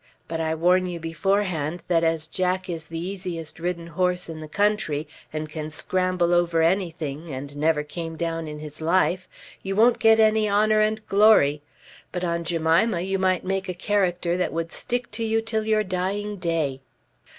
But I warn you beforehand that as Jack is the easiest ridden horse in the country, and can scramble over anything, and never came down in his life, you won't get any honour and glory; but on Jemima you might make a character that would stick to you till your dying day."